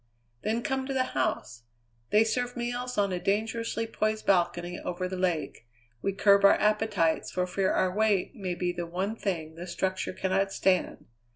"Then come to the house. They serve meals on a dangerously poised balcony over the lake; we curb our appetites for fear our weight may be the one thing the structure cannot stand.